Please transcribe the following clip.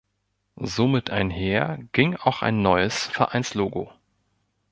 Somit einher ging auch ein neues Vereinslogo.